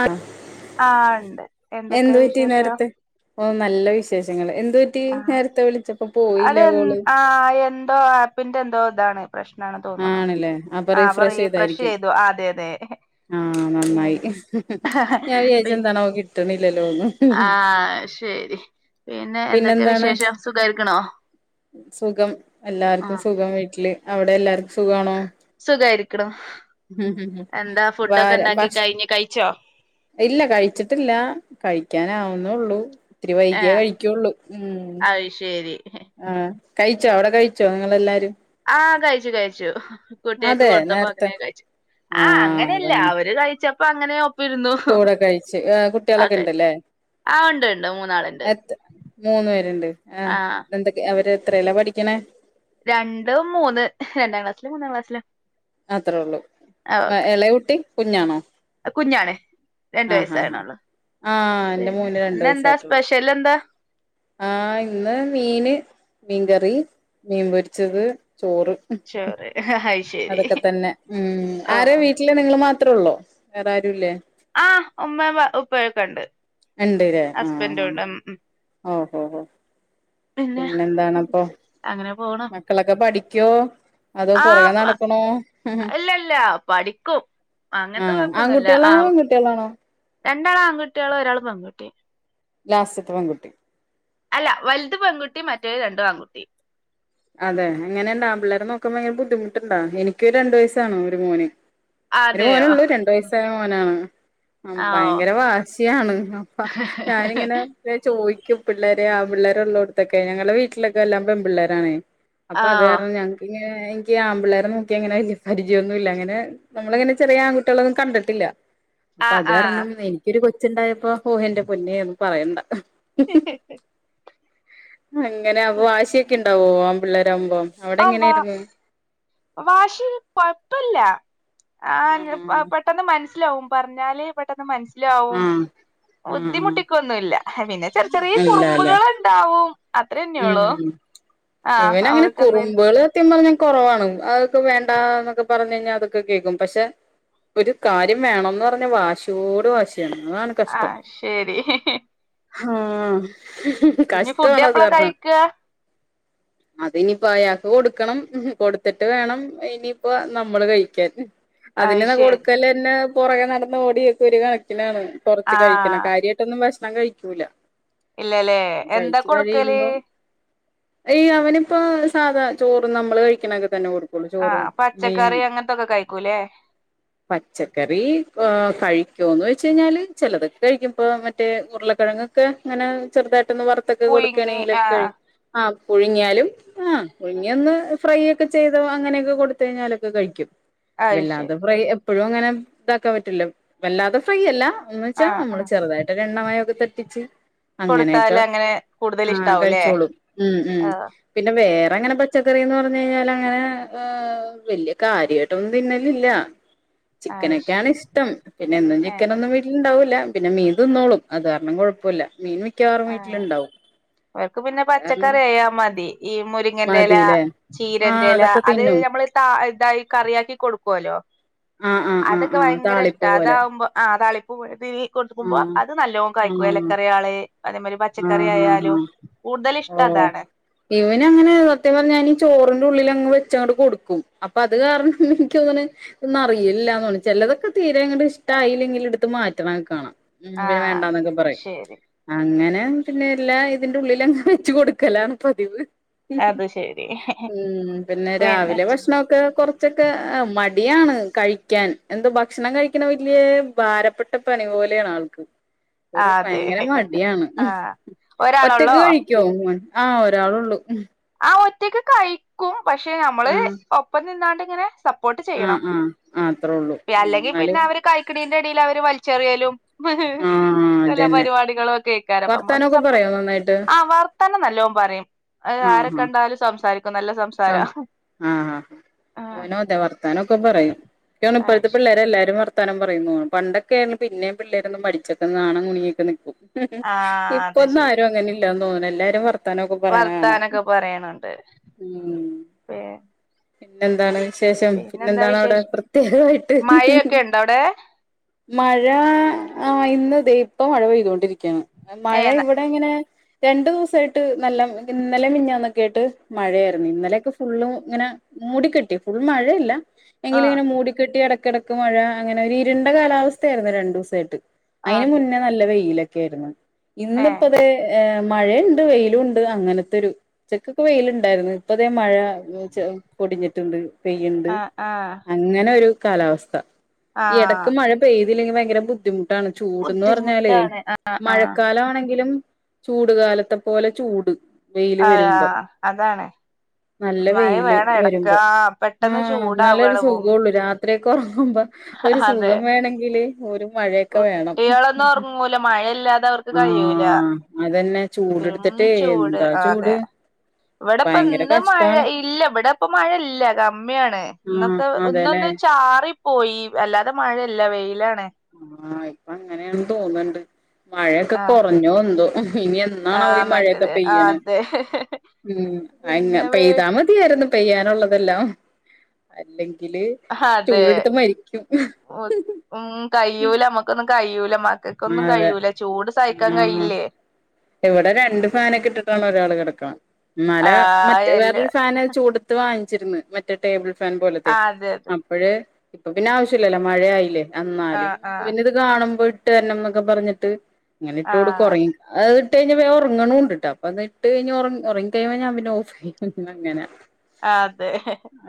ആഹ ആ ഉണ്ട് എന്തൊക്കെ എന്ത് പറ്റി വിശേഷം നേരത്തെ. ഓ നല്ല വിശേഷങ്ങള്. ന്തുറ്റി നേരത്തെ വിളിച്ചപ്പ അതെ ആ എന്തോ ആപ്പിന്റെ എന്തോ താണ് പ്രശ്നാണ് തോന്നണോ ആണല്ലേ അപ്പൊ ആഹ പറയ് ഫ്രഷ് ചെയ്തു അതെ അതെ ആഹ നന്നായി പിന്നെ ഞാൻ വിചാരി പി ച്ച എന്താണാവോ കിട്ടണില്ലല്ലോന്നും ആ ശരി. പിന്നെ എന്തൊക്കെ വിശേഷം സുഖായ്രി സുഖം ആ എല്ലാർക്കും സുഖം വീട്ടില് അവിടെ എല്ലാർക്കും സുഖാണോ സുഖായിരിക്കണു എന്താ വാര ഫുഡൊക്കെണ്ടാക്കി ഭക്ഷ കഴിഞ്ഞ് കഴിച്ചോ ഇല്ല കഴിച്ചിട്ടില്ല കഴിക്കാനാവുന്നേ ള്ളു ത്തിരി ഏ വൈകിയെ കഴിക്കുള്ളൂ ഉം അത് ശരി ആഹ കഴിച്ചോ അവിടെ കഴിച്ചോ നിങ്ങളെല്ലാരും ആഹ കഴിച്ചു കഴിച്ചു. കുട്ടിയക്ക് അതെ കൊടുത്തപ്പോ നേരത്തെ അങ്ങനെയെ കഴിച്ചു. ആ ആഹ് അങ്ങനെയല്ല അതാണ് അവര് കഴിച്ചപ്പ പ്പങ്ങനെ കൂടെ കഴിച്ച്. ഏ കുട്ടിളൊക്കെ കഴി ണ്ടല്ലേ ആ ഉണ്ട് ഉണ്ട് മൂന്നാളുണ്ട് എത്ര മൂന്ന് പേരുണ്ട് ആ ആഹ് എന്തൊക്കെ അവര് എത്രേലാ പഠിക്കണേ രണ്ട മൂന്ന് രണ്ടാം ക്ലാസ്സില് മൂന്നാം ക്ലാസ്സിലും അത്രേ ഉള്ളൂ എളേകുട്ടി കുഞ്ഞാണോ കുഞ്ഞാണെ. രണ്ട ആഹ് ആഹ് ആഹ് വയസായണോള്ളൂ ആഹ് എന്റെ പിന്നെ ന്ന് ഇ ന്താ സ്പെഷ്യൽ എന്താ ആഇന്ന് മീന് മീൻ കറി മീൻ പൊരിച്ചത് ചോറ് ചോറ് അയ്ശരി അതൊക്കെ തന്നെ ഉ ആരേ ഓഹ് വീട്ടില് നിങ്ങള്മാത്രേ ഉള്ളൂ ള്ളോ വേറാരുംല്ലേ ആഹ് ഉമ്മേം ഉപ്പയൊക്കെ ഉണ്ട് ഉണ്ട് ലേ ആഹ ഹസ്ബൻഡും ഉണ്ട് ഉം ഉം ആ ഓഹോ ഹോ പിന്നെ പിന്നെന്താണപ്പൊ. അങ്ങനെ പോണു മക്കളൊക്കെ പഠിക്കോ അതോ പുറകെ നടക്കണോ ഇല്ല ഇല്ല പഠിക്കും. അങ്ങൻത്തെ ആണോ കൊഴപ്പൊന്നുംല്ല ആ. ആൺകുട്ടികളാണോ പെൺകുട്ടികളാണോ രണ്ടാള ആൺകുട്ടികളു ഒരാൾ പെൺകുട്ടി ലാസ്റ്റത്തെ പെൺകുട്ടിയും അല്ല വലുത് പെൺകുട്ടി മറ്റേത് രണ്ടും ആൺകുട്ടി അതെ അങ്ങനെണ്ട് ആൻ പിള്ളേരെ നോക്കുമ്പോ ഭയങ്കര ബുദ്ധിമുട്ടുണ്ടാ എനിക്ക് രണ്ടു വയസാണോ ഒരു മോന് ഒരു അതെയോ മോനള്ളൂ രണ്ടു വയസ്സായ മോനാണ് ആ ആഹ് ഭയങ്കര ഓഹ് വാശിയാണ് അപ്പ ഞാനിങ്ങനെ ചോയ് ക്കും പിള്ളേരെ ആ പിള്ളേരെ ഉള്ളോടത്തൊക്കെ ഞങ്ങൾടെ വീട്ടിലൊക്കെ എല്ലാം പെൺപിള്ളേരാണ് അപ്പൊ അത് കാരണം ആഹ് ഞങ്ങക്കി എനിക്ക് ആമ്പിളേ രെ നോക്കി അങ്ങനെ പരിചയൊന്നു ഇല്ല അങ്ങനെ നമ്മളങ്ങനെ ചെറിയ ആൺകട്ടികളൊന്നും കണ്ടിട്ടില്ല അപ്പൊ അത് ആഹ് കാരണം, എനിക്കൊരു കൊച്ചുണ്ടായപ്പോ ഓ എന്റെ പൊന്നേ ഒന്ന് പറയണ്ട. ഹി ഹി ഹി അങ്ങനെ അപ്പ വാശിയൊക്കെ ഉണ്ടാവോ ആൺ പിള്ളേരാവുമ്പോം. അവ വാശിൽ കൊ യ പ്പില്ല ആ പെട്ടെന്ന് മനസ്സിലാവും, പറഞ്ഞാലേ പെട്ടെന്ന് മനസ്സില ആ ലാവും ആ ആ ബുദ്ധിമുട്ടിക്കൊന്നുല്ല പിന്നെ ചെറിയ ചെറിയ ആ ഇല്ല അല്ലേ കുറുമ്പുകൾ ഉണ്ടാവും അത്രേന്നെ ഉള്ളൂ ഉം ആഹ ഇവനങ്ങനെ അവർക്ക് കുറുമ്പുകൾ സത്യം പറഞ്ഞാൽ കൊറവാണ് അതൊക്കെ വേണ്ടാ ന്നൊക്കെ പറഞ്ഞു കഴിഞ്ഞാൽ അതൊക്കെ കേക്കും പക്ഷെ ഒരു കാര്യം വേണംന്ന് പറഞ്ഞ വാശിയോട് വാശ ഷിയാണ് അതാണ് ആ കഷ്ടം ശരി ആ ഇനി ഫുഡ് കഷ്ടാണ് അ [unintelligible] [inaudible] അത് ഇനിപ്പോ അയാക്ക് കൊടുക്കണം കൊടുത്തിട്ട് വേണം ഇനിയിപ്പ നമ്മള് കഴിക്കാൻ അത് അതിനെന്നാ ശരി കൊടുക്കലെന്നെ പൊറകെ നടന്നോടിയൊക്കെ ഒരു കണക്കിനാണ് ആ കൊറച്ച് കഴിക്കണം കാര്യമായിട്ടൊന്നും ഭക്ഷണം കഴിക്കൂല ഇല്ലല്ലേ എന്താ കഴിച്ചു കൊടുക്കല് കഴിയുമ്പോ ഈ അവനിപ്പോ സാധാ ചോറ് നമ്മള് കഴിക്കണൊക്കെത്തെന്നെ കൊടുക്കും അ പച്ചക്കറി അങ്ങനത്തൊക്കെ കഴിക്കൂലേ പച്ചക്കറി കൊ കയി ക്കോന്ന് ച്ച് കയ്ഞ്ഞാല് ചെലതൊക്കെ കഴിക്കും പ്പെ മറ്റ ഉരുളക്കഴങ്ങൊക്കെ ങ്ങനെ ചെറുതായിട്ട ട്ടെന്ന് വറുത്ത്ട്ട് പുഴുങ്ങി ആ കൊടുക്കണെങ്കിലൊക്കെ കഴി ആ പുഴുങ്ങിയാലും ആ പുഴുങ്ങിയ ഒന്ന് ഫ്രൈ ഒക്കെ ചെയ്ത് അങ്ങനെയൊക്കെ കൊടുത്ത് കഴിഞ്ഞാലൊക്കെ കഴിക്കും അത് വല്ലാതെ ശരി ഫ്രൈ എപ്പോഴും അങ്ങനെ ഇതാക്കാൻ പറ്റൂല്ലോ വല്ലാതെ ഫ്രൈ അല്ല എന്ന് ആ വെച്ചാ ആ നമ്മള് ചെറുതായിട്ട് എണ്ണമയൊക്കെ തട്ടിച്ച് അങ്ങനെയൊക്കെ കൊടുത്താല് അങ്ങനെ കൂടുതൽ ആ കഴി ഇഷ്ടാവൂലേ ച്ചോളും ഉം ഉം ആ പിന്നെ വേ റങ്ങനെ പച്ചക്കറിന്ന് പറഞ്ഞു കഴിഞ്ഞാല് അങ്ങനെ വല്യ കാര്യയിട്ടൊന്നും തിന്നലില്ല അയ് ശരി ചിക്കനൊക്കെയാണ് ഷ്ടം പിന്നെന്നും ഏ ചിക്കനൊന്നും വീട്ടിലിണ്ടാവൂല പിന്നെ മീൻ തിന്നോളും അത് കാരണം കൊഴപ്പല്ല മീൻ മിക്കാറും വീട്ടിലുണ്ടാവും ക്ക് പിന്നെ അത് കാരണം പച്ചക്കറി യാ മതി ഈ മുരിങ്ങന്റെ എല മതില്ലേ ആഹ് ചീരന്റെ ല അതൊക്കെ അത് തിന്നും നമ്മള് ത തായി കറിയാക്കി കൊടുക്കോ ലോ ആഹ് ആഹ് ആഹ് അതൊക്കെ ആഹ് ഭയങ്കര ഇഷ്ട താളിപ്പ് പോലെ അതാവുമ്പോ അ താളി [unintelligible] കൊടുക്കുമ്പോ ആഹ് അത് നല്ലോ കയ്ക്കും എലക്കറിയാള് അതേമാതിരി ആ പച്ചക്കറി ആആ ആയാലും കൂടുതൽ ഓ ഇഷ്ടം അതാണ് ഇവനങ്ങനെ സത്യം പറഞ്ഞാനീ ചോറ് ന്റുള്ളിലങ് വെച്ചങ് കൊടുക്കും അപ്പൊ അത് കാരണം ൻക്ക് തോന്ന്ണ് എന്നറിയലില്ല തോന്ന്ണ് തീരെങ്ങട്ട് ഇഷ്ടായില്ലെങ്കില് ട്ത്ത് മാറ്റണ ഉം ആ പിന്നെ വേണ്ടാന്നൊക്കെ പറയും ശരി അങ്ങനെ ൻ പിന്നെ എല്ലാ തിന്റെ ഉള്ളിലങ്ങ് വെച്ച് കൊടുക്കല പതിവ് അത് ശരി ഉം പിന്നെ രാവിലെ ഭക്ഷണൊക്കെ കൊറച്ചൊക്കെ ആ മടിയാണ് കഴിക്കാൻ എന്ത ഭക്ഷണം കഴിക്കണ വല്യ ഭാരപ്പെട്ട പണി പോലെണ് ആൾക്ക് ആ ഒരു അതെ ഭയങ്കര മടിയാണ് ആ ഒറ്റക്ക് ഒരാളൊള്ളോ കഴിക്കോ മോൻ ആ ഒരാള് ഉള്ളൂ ആ ഒറ്റക്ക് കഴിക്കും പക്ഷെ നമ്മള് ആഹ് ഒപ്പം നിന്നാണ്ട് ഇങ്ങനെ സ പ്പോട്ട് ആഹ് ചെയ്യണം ആഹ് ആഹ് അത്രേ ഉള്ളൂ ആഹ് അല്ലെങ്കിപിന്നെ എന്നാലും അവര് കഴിക്ക്ണിന്റെ എടേൽ അവർ വ ചെറിയലും ആഹ് പല അതന്നെ പരിപാടികളും ഒക്കെ ക്കാരം നമ്മളൊന്ന് വർത്താനൊക്കെ സപ്പോർട് പറയോ ആ വാർത്തനം നല്ലോ പറയും അത് അ ആരെ അ കണ്ടാലും സംസാരിക്കും നല്ല അ സംസാരാ ആ ആഹ് ഓനോ അതെ വർത്താനൊക്കെ പറയും അത് ഇപ്പഴത്തെ ശരി പിള്ളേരെല്ലാരും വ ത്താനം പറയും തോന്ന് പണ്ടൊക്കെ ണ് പിന്നെയും പിള്ളേരൊന്നും മടിച്ചൊക്കെ നാണം കുണിയൊക്കെ നിക്കും ഉം ആഹ് അത് ഇപ്പൊന്നും ശരി ആരും അങ്ങനെ ഇല്ലന്ന് തോന്നുന്നു എല്ലാരും വർ വർത്താനൊക്കെ പറയണ്ണ്ട് ഉം പി പിന്നെന്താണ് വിശേഷം പിന്നെന്താ പിന്നെന്താണ് അവിടെ വിശേഷം പ്രത്യേകായിട്ട് മഴയൊക്കെ ഇണ്ടോ അവിടെ മഴ ആ ഇന്നതെ ഇപ്പ മഴ പെയ്തൊണ്ടിരിക്യാണ് മഴ ഏഹ് ന ഇവിടെ ഇങ്ങനെ രണ്ടു ദിവസായിട്ട് നല്ല ഇന്നലെ മിഞ്ഞാന്നൊക്കായിട്ട് മഴായിരുന്നു ഇന്നലെയൊക്കെ ഫുള്ളും ഇങ്ങനെ മൂടിക്കെട്ടി ഫുൾ മഴയില്ല എങ്കില് ആഹ് ഇങ്ങനെ മൂടിക്കെട്ടി എട ഇടക്ക് മഴ അങ്ങനെ ഒരു ഇരുണ്ട കാലാവസ്ഥയായിയിരുന്നു രണ്ടു ദിവസായിട്ട് അതിന് അതെ മുന്നേ നല്ല വെയിലാ ക്കേരുന്നു ഏഹ് ഇന്നപ്പോ അതേ മഴയുണ്ട് വെയിലുണ്ട് അങ്ങനത്തെ ഒരു ഉച്ചക്കൊക്കെ വെയിലുണ്ടായിരുന്നു ഇപ്പതേ മഴ പൊടിഞ്ഞിട്ടുണ്ട് പെയ്യുണ്ട് ആഹ് ആഹ് അങ്ങനെ ഒരു കാലാവസ്ഥ ആഹ് ഇടക്ക് മഴ പെയ്തില്ലെങ്കിൽ ഭയങ്കര ബുദ്ധിമു ട്ടാണ് ചൂട്ന്ന് പറഞ്ഞാലേ ബുദ്ധിമുട്ടാണ് ആഹ് ആഹ് മഴക്കാലാണെങ്കിലും ചൂട് കാലത്തെ പോലെ ചൂട് വെയില് ആ വരുമ്പം അതാണ് നല്ല മഴ വെയില് വേണം എടക്ക് വരുമ്പോ ആഹ് പെട്ടെന്ന് ഇന്നാലേ ഒരു ചൂടാവാണ് ഭൂമി സുഖൊള്ളൂ രാത്രിയൊക്ക ഒറങ്ങുമ്പോ ഒരു അതെ സുഖം വേണേ ങ്കിൽ ഒരു മഴ ഒക്കെ വേണം കുട്ടികളൊന്നും ഉറങ്ങൂല മഴയില്ലാതെ അവർക്ക് ആ കഴിയൂല അതന്നെ പിന്നെ ചൂട് എടുത്തിട്ടേ എന്താ ചൂട് ഇവടപ്പം ഭയങ്കര ഇന്ന് മഴ കഷ്ടാണ് ഇല്ല ഇവിടെ ഇപ്പ മഴ ഇല്ല കമ്മിയാണ് ആഹ് ഇന്നൊക്കെ അതെല്ലേ ഇന്നൊന്ന് ചാറി പോയി അല്ലാതെ മഴയല്ല വെയിലാണ് ആ ഇപ്പൊ അങ്ങനെയാണ് തോന്ന്ണ്ട് മഴയൊക്കെ ആഹ് കൊറഞ്ഞോ എന്തോ ഇനി എന്നാണാവോ ഈ ആഹ് മഴയൊക്കെ മറ്റേത് ആഹ് പെയ്യ്ണേ അതെ ഉം അഅ ന്നെ പിന്നെ വീ പെയ്താ മതിയായിരുന്ന് പെയ്യാനുള്ളതെല്ലാം അല്ലെങ്കി ല് അതെ ചൂട് ട് ത്ത് മരിക്കും കയ്യൂല നമുക്കൊന്നും കയ്യൂല ആ അതെ ആ കഴിയില്ലേ ഇവിടെ രണ്ട് ഫാനൊക്കെ ഇട്ടിട്ടാണ് ഒരാൾ കടക്ക്ണ ന്നാലോ ആഹ് മറ്റൊരു എല്ല വേറൊരു ഫാൻ ചൂടത്ത് വാങ്ങിച്ചിരുന്ന് മറ്റേ ടാബിൾ ഫാൻ പോലത്തെ ആ അതെ അതെ അപ്പൊഴ്‌ ഇപ്പ പിന്നെ ആവശ്യല്ലല്ലോ മഴ ആയില്ലേ എന്നാലും ആഹ് ആഹ് ഇവന് ഇത് കാണുമ്പോ ഇട്ട് തരണന്നൊക്കെ പറഞ്ഞിട്ട് ഇങ്ങനെ ഇട്ട് കൊടുക്കും ആഹ് ഉറങ്ങി അത് ഇട്ട് കഴിഞ്ഞ വേം ഉറങ്ങണൂണ്ട്ട്ട അപ്പൊ അത് ഇട്ട് കയിഞ്ഞ് ഉറങ്ങി കയിഞ്ഞ ഞാൻ പിന്നെ ഓഫ് ചെയ്യും അങ്ങനെ അതെ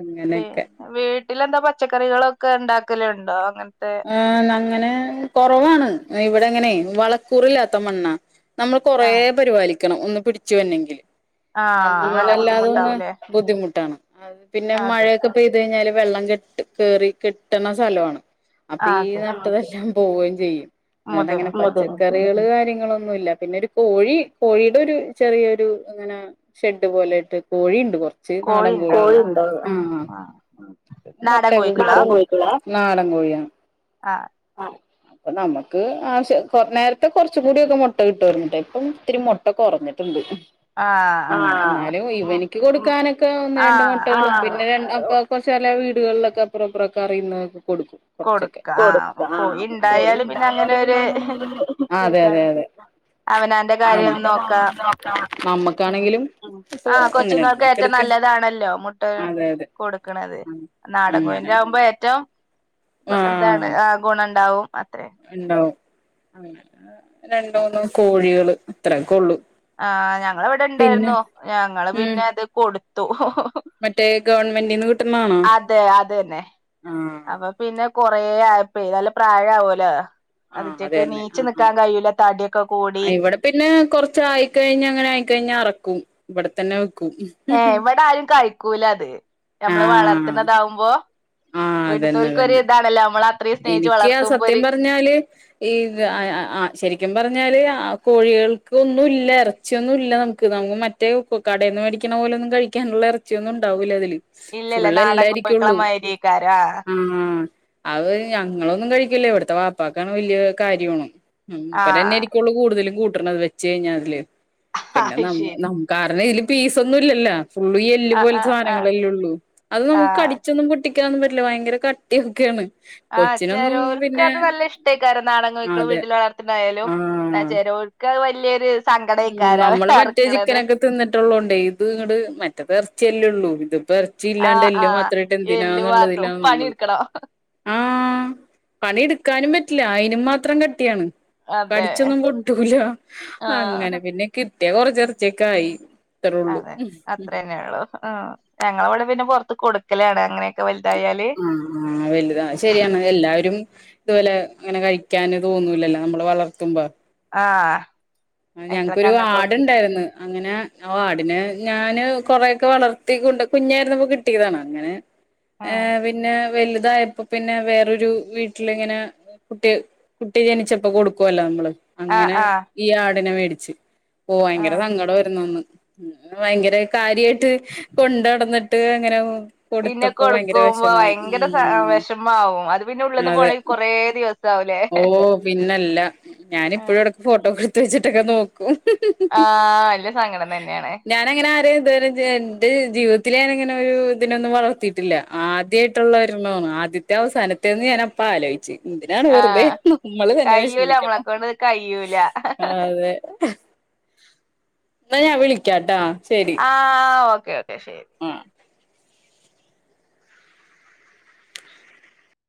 അങ്ങനെയൊക്കെ പിന്നെ വീ ട്ട് ല്എന്താ പച്ചക്കറികളൊക്കെ ഉണ്ടാക്കല് ഉണ്ടോ അങ്ങ ആ അങ്ങനെ കുറവാണ് ഇവിടെങ്ങനെ വളക്കൂറില്ലാത്ത മണ്ണാ നമ്മള് ആ കൊറേ പരിപാലിക്കണം ഒന്ന് പിടിച്ചു വന്നെങ്കിൽ ആഹ് നല്ല നമ്മളോട്ല്ലാതൊന്ന് ബുദ്ധിമുട്ടാവൂലേ ബുദ്ധിമുട്ടാണ് പിന്നെ അതെ മഴയൊക്കെ പെയ്ത് കയിഞ്ഞാലും വെള്ളം കെട്ടി കേറി കെട്ടണ സ്ഥലാണ് അപ്പൊ ഈ അതെ നട്ടതെല്ലാം പോവേം ചെയ്യും [unintelligible] ബുദ്ധിമുട്ടാ ഉം. പച്ചക്കറികള് കാര്യങ്ങ ങ്ങളൊന്നുല്ല പിന്നെ ഒരു കോഴി കോഴിയുടെ ഒരു ചെറിയൊരു ഇങ്ങനെ ഷെഡ് പോലട്ട് കോഴിയുണ്ട് കൊറ ച്ച് കോഴി നാടൻകോഴി, ഉണ്ടാവും കോഴിയുണ്ടോ? ആ നാടൻ മൊട്ടൊക്കെ കിട്ടും, കോഴിക്കളാ നാടൻ കോഴിക്കളാ നാടൻ കോഴിയാണ് ആ അപ്പൊ നമുക്ക് ആവശ്യ നേരത്തെ കുറച്ച് കൂടിയൊക്കെ മുട്ട കിട്ടുവായിരുന്നുട്ടാ ഇപ്പം ഇത്തിരി മുട്ട കുറഞ്ഞു ട്ടുണ്ട് ആ ന്നാലും ഉം ഇവനിക്ക് കൊടുക്കാനൊക്കെ ഒന്ന് ആ രണ്ട് മുട്ട പിന്നെ അപ്പൊ ചല വീടുകളിലൊക്കെ അപ്പുറപ്പറക്കറിയുന്നൊർക്ക് കൊടുക്കും കൊറച്ചൊക്കെ കൊടുക്ക ആ കൊടുക്കും കോഴി ഉണ്ടായാല് പിന്നെ അങ്ങനെ ഒരു അതെ അതെ സുഖാണ് അതെ അവനാന്റെ കാര്യം നോക്കാം ഉം നമ്മക്കാണെങ്കിലും ഇപ്പ ആ ഒന്ന് കൊച്ചുങ്ങൾക്ക് രണ്ടെണ്ണക്ക ഏറ്റവും എടുക്ക നല്ലതാണല്ലോ മുട്ട അതെ അതെ കൊടുക്കണത് നാടൻകോയിന്റെ അങ്ങനെ ആകുമ്പോ ഏറ്റോം എന്താണ് ആഹ് ആ ഗുണം ഉണ്ടാവും ഉണ്ടാവും അങ്ങനെ രണ്ട് മൂന്ന് കോഴേള് അത്രയൊക്കെ ഉള്ളു ആ ഞങ്ങള ഇവിടെ പിന്നെ ഇണ്ടായിരുന്നു ഞങ്ങള് ഉം പിന്നെ അത് കൊടുത്തു മറ്റേ ഗവൺമെന്റിന്ന് കിട്ടുന്നതാണോ അതെ അതന്നെ ആഹ് അപ്പൊ പിന്നെ കൊറെ ആയപ്പെ നല്ല പ്രായാവോലോ ആ അതന്നെ ആ തടിയൊക്കെ ആ കൂടി ഇവിടെ പിന്നെ കൊറച്ചായി കയിഞ്ഞ അങ്ങനായികയിഞ്ഞ അറക്കും ഇവിടെത്തന്നെ വെക്കും ഏ ഇവിടെ ആരും കഴിക്കൂല അത് നമ്മള് ആഹ് വളർത്തുന്നതാവുമ്പോ ആഹ് അതന്നെ വീട്ത്തോൽക്ക് വരെ അതന്നെ ഇതാണല്ലോ മ്മ എനിക്ക് ആ സത്യം പറഞ്ഞാല് ഈ ആ ശരിക്കും പറ പറഞ്ഞാല് ആ കോഴികൾക്ക് ഒന്നുഇല്ല ഇറച്ചിയൊന്നും ഇല്ല നമുക്ക് നമക്ക് മറ്റേ കോ കടേന്ന് മേടിക്കണോ ലന്നും കഴിക്കാനൊള്ള എറച്ചിയൊന്നും ഉണ്ടാവുല അതില് ഇല്ലല്ല നാടൻ കോഴിക്കളെ [unintelligible] ആ അത് ഞങ്ങളൊന്നും കഴിക്കില്ല ഇവിടത്തെ വാപ്പാക്കാണ് വലിയ കാര്യമാണ് ഉം ഉപ്പ ആഹ് തന്നെയിരിക്കുള്ളു കുടുതലും കൂട്ടണാർത് വെച്ച് കഴിഞ്ഞാ അതില് ആഹ് പിന്നെ നമ്മ അയ്ശരി നമ് കരണം ഇതില് പീസ ഒന്നും ഇല്ലല്ല ഫുളളും ഈ എല്ല് ആഹ് പോലെത്തെ ആഹ് ആഹ് സാധങ്ങളെല്ലേ ഉള്ളൂ അത് നമുക്ക് ആഹ് കടിച്ചൊന്നും പൊട്ടിക്കാനോന്നും പറ്റി ല്ല ഭയങ്കര കട്ടിയൊക്കെയാണ് ആ കൊച്ചിനൊന്നും ചെലോർക്ക് പിന്നെ അത് നല്ല ഇഷ്ടായി കാരണം നാടൻ കോയിക്കളും അതെ വീട്ടില് വളർത്തിണ്ടായാലും എന്ന ചെലോ ക്ക വലിയൊരു മ് സങ്കടേക്കാരം അവര് നമ്മള് മറ്റേ അറക്കണത് ചിക്കനൊക്കെ തിന്നിട്ടുള്ള കൊണ്ടെ ഇത് ഇങ്ങട് മറ്റേത് എർ ചെല്ലുള്ളൂ ഇതും ഇറച്ചി ഇല്ലാണ്ട് ആഹ് എല്ല് ആഹ് മാത്രമായിട്ട് എല്ല് മാത്രം എന്തിനാന്നൊള്ളതിലാണ് നമ്മള് പണിയെടുക്കണം ആ പണി എടുക്കാനും പറ്റില്ല അയിനും മാത്രം കട്ടിയാണ് അതെ പഠിച്ചൊന്നും കൊട്ടൂല അങ്ങനെ ആഹ് പിന്നെ കിട്ടിയ കൊറച്ചെറച്ചിയക്കായി അതെ അത്ര തന്നെ ഉള്ളു ആ ഞങ്ങളിവിടെ പിന്നെ പൊറത്ത് കൊടുക്കലാണ് അങ്ങനെയൊക്കെ വലി ആ ആ വലുതാ ശരിയാണ് എല്ലാവാരും ഇതുപോലെ അങ്ങനെ കഴിക്കാന് തോന്നൂലല്ലോ നമ്മള് വളർത്തുമ്പം ആഹ് ആ അയിറ്റളെ ഞങ്ങക്കൊരു കണ്ണ്ക്കോക്കി ആടുണ്ടായിരിന്ന് അങ്ങനെ ആ ആടിനെ ഞാന് കൊറെയൊക്കെ വളർത്തി കൊണ്ട് കുഞ്ഞായിരുന്നപ്പോ കിട്ടിയതണ് അങ്ങനെ ഏ ആഹ് പിന്നെ വല് ഇതായപ്പോ പിന്നെ വേറൊരു വീട്ടിലിങ്ങനെ കുട്ടി കുട്ടി ജനിച്ചപ്പോ കൊടുക്കുവല്ലോ നമ്മള് ആഹ് അങ്ങനെ ആഹ് ഈ ആടിനെ മേടിച്ച് പോ ഭയങ്കര ആഹ് സങ്കടം ആയിരുന്ന് അന്ന് ഭയങ്കര കാര്യാട്ട് കൊണ്ട് നടന്നിട്ട് അങ്ങനെ പിന്നെ കൊടുത്തപ്പോ ഭയങ്കര കൊടുക്കുമ്പോ വിഷമായി ഭയങ്കര സ ഉം വെഷമാവും അത് പിന്നെ ഉള്ള്ന്ന് അതെ പോണെങ്കി കൊറേ ദിവസ ഓ പിന്നല്ല ഞാനിപ്പോഴും ആഹ് ഇടക്ക് ഫോട്ടോക്കെ എടുത്ത് വെച്ചിട്ടൊക്കെ നോക്കും ആ വല്യയ സങ്കടം തന്നെയാണ് തെരെഞ്ഞെ എന്റെ ജീവിതത്തിലെ ഞാനിങ്ങനെ ഒരു ഇതിനൊന്നും വളർത്തിയിട്ടില്ല ആദിയായിട്ടൊള്ളാരു ഒരണ്ണാണ് ആ ആദ്യത്തെ അവസാനത്തെന്ന് ഞാൻ അപ്പ ആലോച്ച് എന്തിനാണ് വെറു ദെ ആഹ് നമ്മള് തന്നെ കയ്യൂല വെഷമിക്കണം നമ്മളെക്കൊണ്ട് ഇത് കയ്യൂല ആ അതെ എന്നാ ഞാൻ വിളിക്കാട്ടാ ശരി ക്കെ ശരി ആ